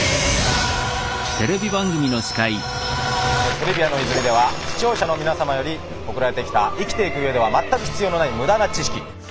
「トリビアの泉」では視聴者の皆様より送られてきた生きていくうえでは全く必要のない無駄な知識。